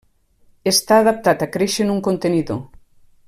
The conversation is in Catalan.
Està adaptat a créixer en un contenidor.